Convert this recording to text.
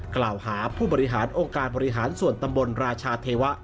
กล่าวหาผู้บริหารองค์การบริหารส่วนตำบลราชาเทวะ